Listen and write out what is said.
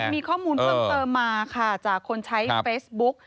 มีข้อมูลเพิ่มเติมมาค่ะจากคนใช้เฟซบุ๊ก